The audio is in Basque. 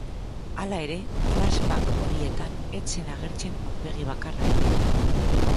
Hala ere, flash-back horietan ez zen agertzen aurpegi bakarra ere.